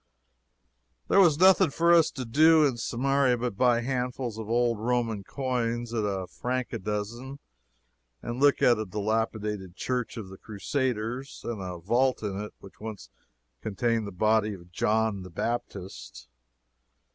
There was nothing for us to do in Samaria but buy handfuls of old Roman coins at a franc a dozen, and look at a dilapidated church of the Crusaders and a vault in it which once contained the body of John the Baptist.